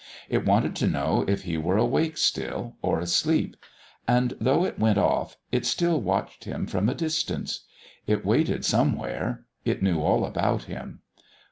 It wanted to know if he were awake still, or asleep. And though it went off, it still watched him from a distance; it waited somewhere; it knew all about him.